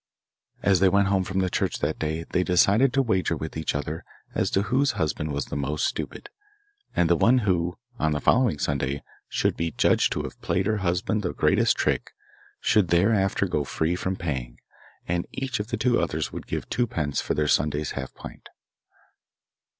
As they went home from the church that day they decided to wager with each other as to whose husband was the most stupid, and the one who, on the following Sunday, should be judged to have played her husband the greatest trick should thereafter go free from paying, and each of the two others would give twopence for their Sunday's half pint.